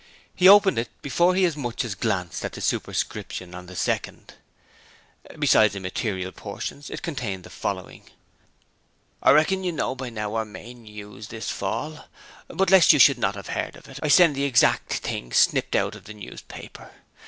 He opened it before he had as much as glanced at the superscription of the second. Besides immaterial portions, it contained the following: 'J reckon you know by now of our main news this fall, but lest you should not have heard of it J send the exact thing snipped out of the newspaper.